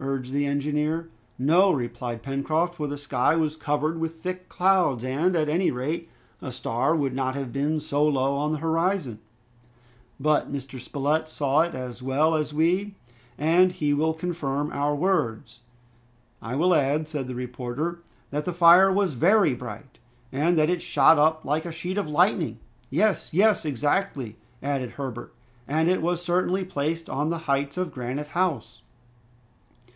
urged the engineer. "No," replied Pencroft, "for the sky was covered with thick clouds, and at any rate a star would not have been so low on the horizon. But Mr. Spilett saw it as well as we, and he will confirm our words." "I will add," said the reporter, "that the fire was very bright, and that it shot up like a sheet of lightning." "Yes, yes! exactly," added Herbert, "and it was certainly placed on the heights of Granite House."